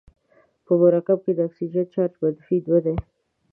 په مرکب کې د اکسیجن چارج منفي دوه دی.